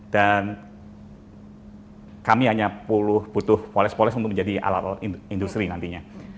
dan kami hanya butuh poles poles untuk menjadi alat alat industri nantinya